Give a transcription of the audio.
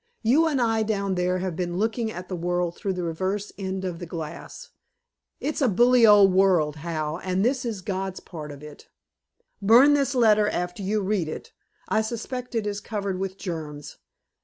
You and I down there have been looking at the world through the reverse end of the glass. It's a bully old world, Hal, and this is God's part of it. Burn this letter after you read it; I suspect it is covered with germs.